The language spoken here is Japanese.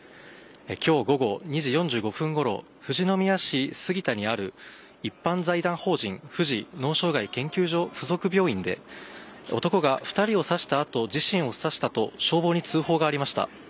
今日午後２時４５分ごろ富士宮市杉田にある一般財団法人富士脳障害研究所属附属病院で男が２人を刺したあと自身を刺したと消防に通報がありました。